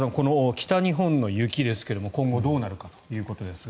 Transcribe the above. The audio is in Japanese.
北日本の雪ですが今後、どうなるかということですが。